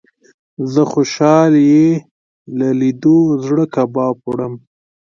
زه خوشال يې له ليدلو زړه کباب وړم